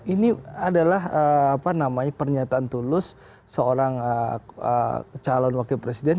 ini adalah pernyataan tulus seorang calon wakil presiden